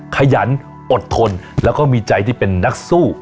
ขยันอดทนแล้วก็มีใจที่เป็นนักสู้